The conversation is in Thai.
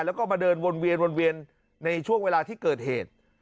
แล้วก็มาเดินวนเวียนวนเวียนในช่วงเวลาที่เกิดเหตุ